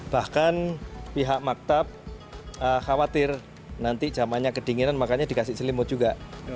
bahkan pihak maktab khawatir nanti jamannya kedinginan makanya dikasih selimut juga